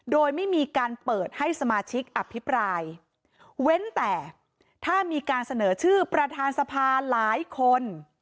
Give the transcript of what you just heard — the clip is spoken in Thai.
โดยไม่มีการเปิดให้สมาชิกอภิปรายเว้นแต่ถ้ามีการเสนอชื่อประธานสภาหลายคน